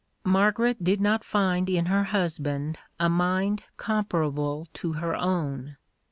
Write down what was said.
231 Margaret did not find in her husband a mind comparable to her own.